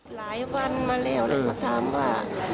หลายวันมาแล้วแล้วก็ถามว่า